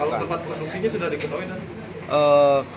kalau tempat produksinya sudah diketahuin